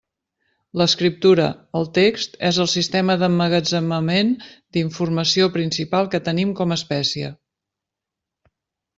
L'escriptura, el text, és el sistema d'emmagatzemament d'informació principal que tenim com a espècie.